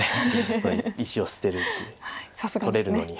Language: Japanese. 石を捨てるっていう取れるのに。